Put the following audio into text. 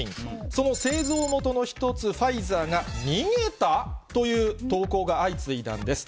その製造元の一つ、ファイザーが逃げた？という投稿が相次いだんです。